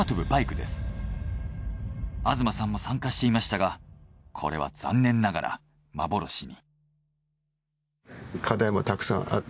東さんも参加していましたがこれは残念ながら幻に。